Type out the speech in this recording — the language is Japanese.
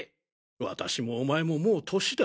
私もお前ももう年だ。